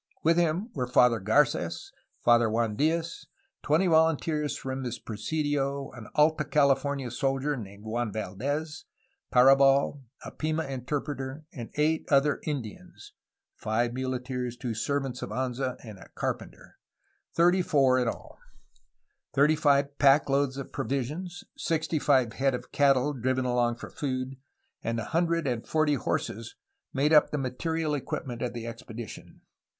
With him were Father Garces and Father Juan Diaz, twenty volun teers from his presidio, an Alta California soldier named Juan Valdez, Tarabal, a Pima interpreter, and eight other Indians (five muleteers, two servants of Anza, and a car penter) ,— thirty four in all. Thirty five pack loads of provi sions, sixty five head of cattle driven along for food, and a hundred and forty horses made up the material equipment of the expedition.